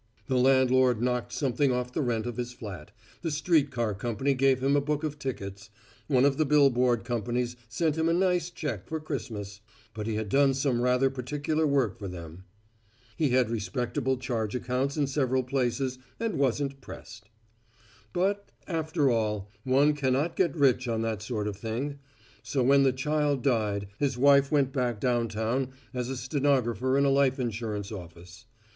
The landlord knocked something off the rent of his flat, the street car company gave him a book of tickets, one of the bill board companies sent him a nice check for Christmas; but he had done some rather particular work for them. He had respectable charge accounts in several places and wasn't pressed. But, after all, one cannot get rich on that sort of thing; so when the child died, his wife went back downtown as a stenographer in a life insurance office.